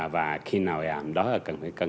và khi nào làm đó là cần phải